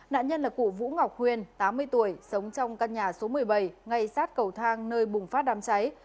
nạn nhân là cụ vũ ngọc huyền tám mươi tuổi sống trong căn nhà số một mươi bảy ngay sát cầu thang nơi bùng phát đám cháy